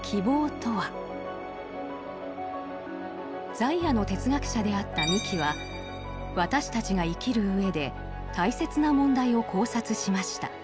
在野の哲学者であった三木は私たちが生きる上で大切な問題を考察しました。